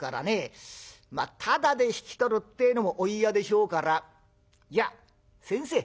まあただで引き取るってえのもお嫌でしょうからじゃあ先生